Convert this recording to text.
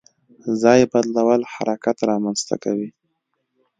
ځای بدلول حرکت رامنځته کوي.